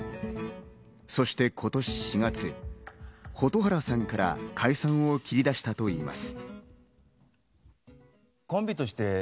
そして今年４月、蛍原さんから解散を切り出したといいます。